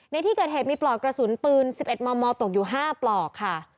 ในที่เกิดเหตุมีปลอกกระสุนปืน๑๑มมตกอยู่๕ปลอกค่ะ